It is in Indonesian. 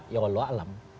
ya allah alam